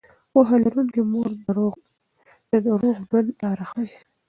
پوهه لرونکې مور د روغ ژوند لاره ښيي.